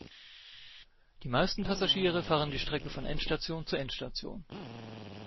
Die meisten Passagiere fahren die Strecke von Endstation zu Endstation.